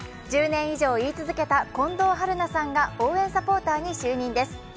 １０年以上言い続けた近藤春菜さんが応援サポーターに就任です。